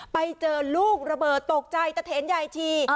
ไปเจอลูกระเบิดตกใจตะเท้นใหญ่ที